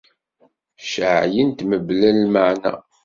Ceεεlent mebla lmeɛna.